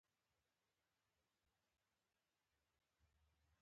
زه له بېکارۍ څخه کرکه لرم.